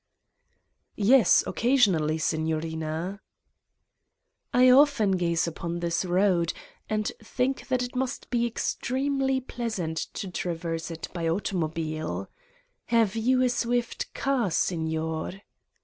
"Yes, occasionally, Signorina." "I often gaze upon this road and think that it 86 Satan's Diary must be extremely pleasant to traverse it by auto mobile. " "Have you a swift car, Signor!"